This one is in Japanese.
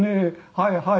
「はいはい。